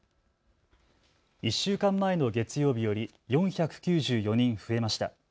１週間前の月曜日より４９４人増えました。